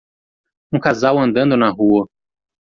Um casal andando na rua